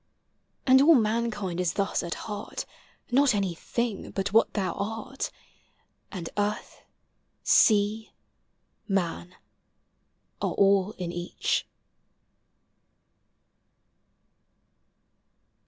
And all mankind is thus at heart Not any thing but what thou art : And Earth, Sea, Man, are all in each.